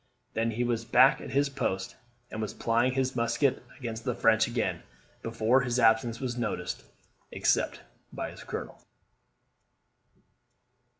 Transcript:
Then he was back at his post, and was plying his musket against the French again, before his absence was noticed, except by his colonel.